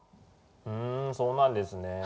ふんそうなんですね。